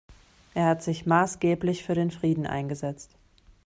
Er hat sich maßgeblich für den Frieden eingesetzt.